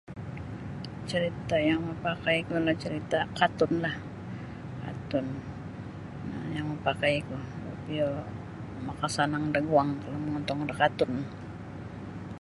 Carita' yang mapakaiku no carita' kartunlah kartun no yang mapakaiku iyo makasanang daguang kalau mongontong da kartun.